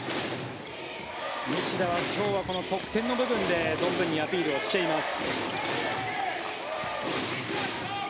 西田は今日はこの得点の部分で存分にアピールをしています。